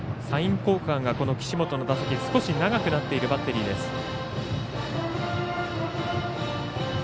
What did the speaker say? サイン交換が岸本の打席少し長くなっているバッテリーです。